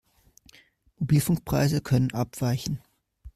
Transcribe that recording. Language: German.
Mobilfunkpreise können abweichen.